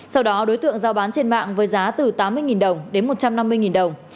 sau đó đối tượng giao bán trên mạng với giá từ tám mươi đồng đến một trăm năm mươi đồng